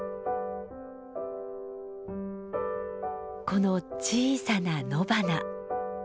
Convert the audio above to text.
この小さな野花。